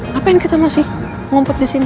ngapain kita masih ngumpet disini